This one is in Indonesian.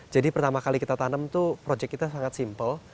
jadi pertama kali kita tanam tuh project kita sangat simpel